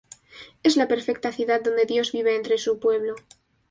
Es la perfecta ciudad donde Dios vive entre su pueblo.